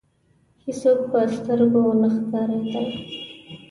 هېڅوک په سترګو نه ښکاریدل.